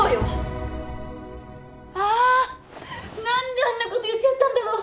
何であんなこと言っちゃったんだろう。